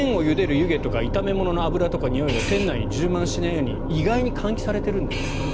湯気とか炒め物の油とかにおいが店内に充満しないように意外に換気されているんですって。